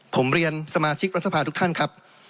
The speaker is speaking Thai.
ผมเรียนสมาชิกรัฐสภาทุกท่านครับ